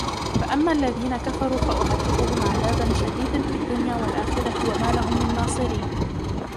فَأَمَّا الَّذِينَ كَفَرُوا فَأُعَذِّبُهُمْ عَذَابًا شَدِيدًا فِي الدُّنْيَا وَالْآخِرَةِ وَمَا لَهُمْ مِنْ نَاصِرِينَ